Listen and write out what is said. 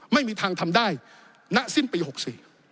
ไม่มีทางทำได้ณสิบปี๖๔